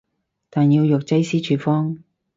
但要藥劑師處方